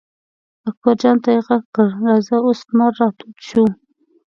اکبر جان ته یې غږ کړل: راځه اوس لمر را تود شو.